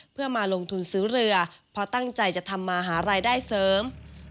เพื่อมาลงทุนซื้อเรือเพราะตั้งใจจะทำมาหารายได้เสริม